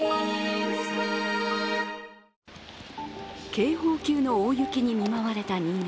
警報級の大雪に見舞われた新潟。